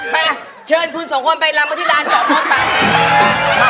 ไปเชิญทุนสองคนไปร้ำาทิลานต่อหมดได้